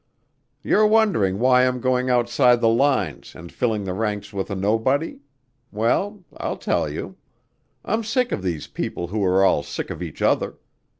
"You're wondering why I'm going outside the lines and filling the ranks with a nobody? Well, I'll tell you. I'm sick of these people who are all sick of each other.